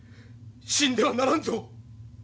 死んではならんぞ！